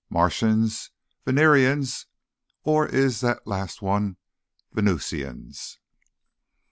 Martians? Venerians? Or is that last one Venusians?"